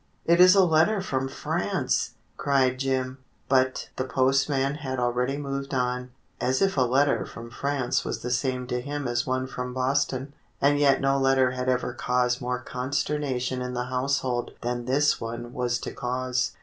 "It is a letter from France!" cried Jim. But the 128 THE BLUE AUNT postman had already moved on, as if a letter from France was the same to him as one from Boston. And yet no letter had ever caused more consternation in the household than this one was to cause.